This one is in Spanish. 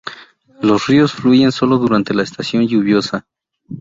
Los ríos fluyen sólo durante la estación lluviosa.